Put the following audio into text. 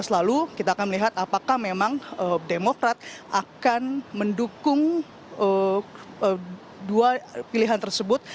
dua ribu empat belas lalu kita akan melihat apakah memang demokrat akan mendukung dua pilihan tersebut